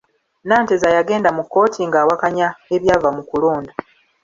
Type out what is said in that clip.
Nanteza yagenda mu kkooti ng'awakanya ebyava mu kulonda